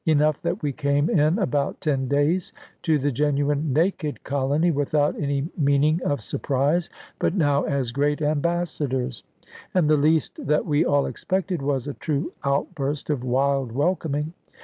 Enough that we came in about ten days to the genuine naked colony, without any meaning of surprise, but now as great ambassadors. And the least that we all expected was a true outburst of wild welcoming.